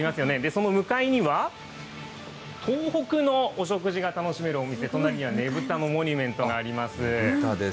その向かいには、東北のお食事が楽しめるお店、隣には、ねぶたのモニュメントがあります。